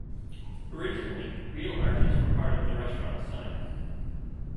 Originally, real arches were part of the restaurant design.